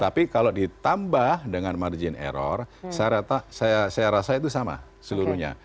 tapi kalau ditambah dengan margin error saya rasa itu sama seluruhnya